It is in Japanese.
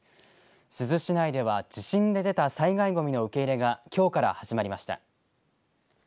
珠洲市内では地震で出た災害ごみの受け入れがきょうから始まりました。